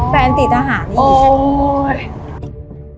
แฟนติดทหารนี่